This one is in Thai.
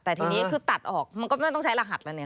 แต่ทีนี้คือตัดออกมันก็ไม่ต้องใช้รหัสแล้วเนี่ย